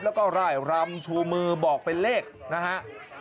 แล้วก็ร่ายรำชูมือบอกเป็นเลขนะฮะ